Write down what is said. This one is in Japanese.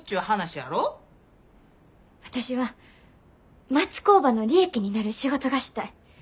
私は町工場の利益になる仕事がしたい。